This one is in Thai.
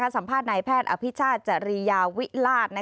สัมภาษณ์นายแพทย์อภิชาติจริยาวิราช